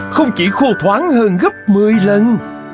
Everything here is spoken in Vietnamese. không chỉ khô thoáng hơn gấp một mươi lần